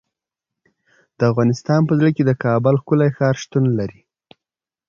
د افغانستان په زړه کې د کابل ښکلی ښار شتون لري.